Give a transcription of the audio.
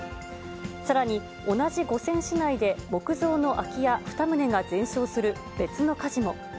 さらに、同じ五泉市内で木造の空き家２棟が全焼する別の火事も。